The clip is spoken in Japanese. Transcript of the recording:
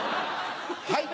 はい！